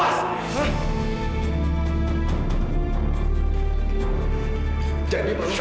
oh yaudah makasih ya